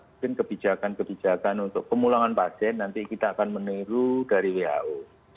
mungkin kebijakan kebijakan untuk pemulangan pasien nanti kita akan meniru dari who